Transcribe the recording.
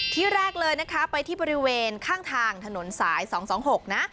ที่แรกเลยนะคะไปที่บริเวณข้างทางถนนสาย๒๒๖นะ